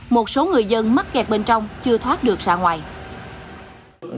một số người dân mắc kẹt bên trong chưa thoát được ra ngoài